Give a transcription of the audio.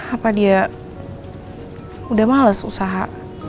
apa dia udah males usaha